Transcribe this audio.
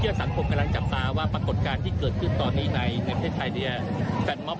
ชีวิตแบบนี้แหละเพราะว่ามันเป็นสัปดาห์แรกและจนถิ่นนวดสังพรคมอีกรอบ